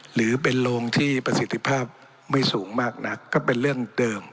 หรือเป็นโรงที่ประสิทธิภาพไม่สูงมากนักก็เป็นเรื่องเดิม